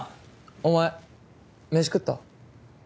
お前飯食った？